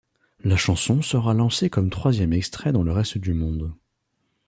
La chanson sera lancé comme troisième extrait dans le reste du monde.